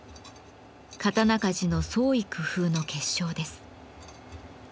刀鍛冶の創意工夫の結晶です。